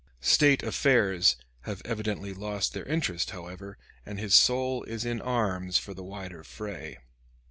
State affairs have evidently lost their interest, however, and his soul is in arms for the wider fray.